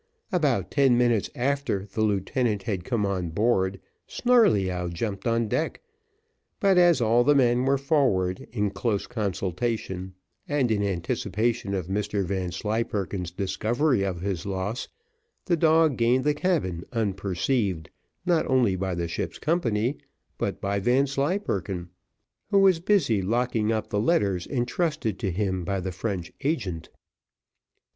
About ten minutes after the lieutenant had come on board, Snarleyyow jumped on deck, but, as all the men were forward in close consultation, and in anticipation of Mr Vanslyperken's discovery of his loss, the dog gained the cabin, unperceived not only by the ship's company, but by Vanslyperken, who was busy locking up the letters entrusted to him by the French agent.